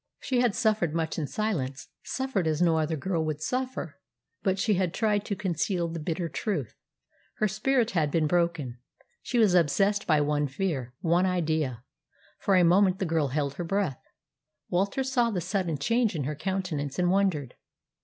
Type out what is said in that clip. She had suffered much in silence suffered as no other girl would suffer; but she had tried to conceal the bitter truth. Her spirit had been broken. She was obsessed by one fear, one idea. For a moment the girl held her breath. Walter saw the sudden change in her countenance, and wondered.